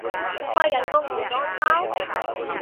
開緊工做裝修？